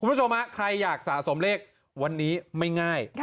คุณผู้ชมฮะใครอยากสะสมเลขวันนี้ไม่ง่าย